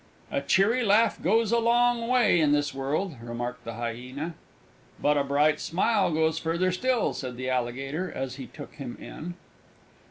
"A cheery laugh goes a long way in this world!" remarked the Hyena. "But a bright smile goes further still!" said the Alligator, as he took him in.